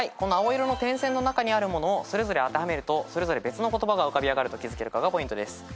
青色の点線の中にあるものをそれぞれ当てはめると別の言葉が浮かび上がると気付けるかがポイントです。